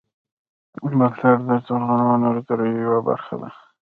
بوتل د زرغونو نظریو یوه برخه ده.